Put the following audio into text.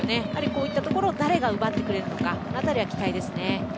こういったところを誰が奪ってくれるのかこのあたりは期待ですね。